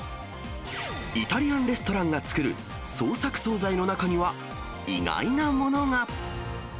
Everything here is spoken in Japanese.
イタリアンレストランが作る創作総菜の中には、意外なものが。